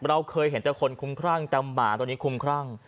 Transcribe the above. เราเคยเห็นแต่คนคุ้มครั่งแต่หมาตัวนี้คุ้มครั่ง